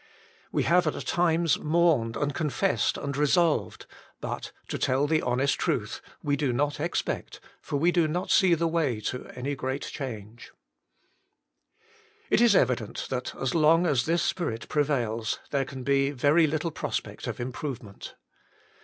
We have at times mourned and confessed and resolved ; but, to tell the honest truth, we do not expect, for we do not see the way to, any great change. It is evident that as long as this spirit prevails, there can be very little prospect of improvement.